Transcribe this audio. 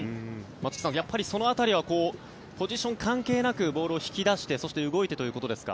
松木さん、その辺りはポジション関係なくボールを引き出して動いてということですか。